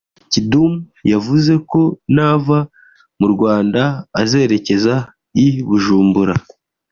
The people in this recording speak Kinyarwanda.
Kidum yavuze ko nava mu Rwanda azerekeza i Bujumbura